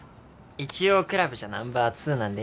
一応クラブじゃナンバー２なんで。